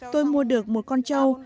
tôi mua được một con trâu